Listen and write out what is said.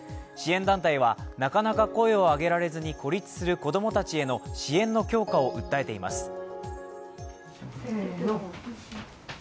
支援団体は、なかなか声を上げられずに孤立する子供たちへの支援の強化を訴えています。